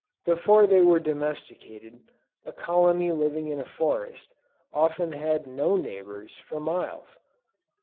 Before they were domesticated, a colony living in a forest, often had no neighbors for miles.